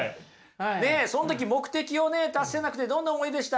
その時目的をね達せなくてどんな思いでした？